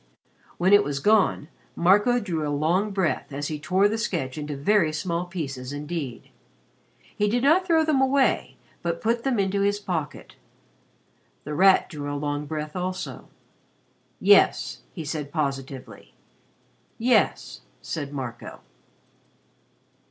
When it was gone, Marco drew a long breath as he tore the sketch into very small pieces indeed. He did not throw them away but put them into his pocket. The Rat drew a long breath also. "Yes," he said positively. "Yes," said Marco.